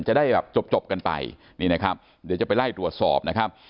จะได้จบกันไปเดี๋ยวจะไปไล่ตรวจสอบ